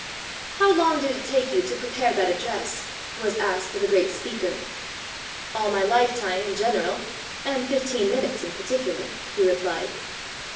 "How long did it take you to prepare that address?" was asked of a great speaker. "All my lifetime in general, and fifteen min utes in particular," he replied.